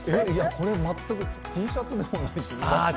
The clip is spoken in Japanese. これ、全く、Ｔシャツでもないし。